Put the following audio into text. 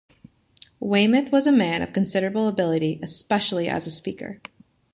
Weymouth was a man of considerable ability, especially as a speaker.